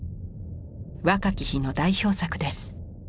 若き日の代表作です。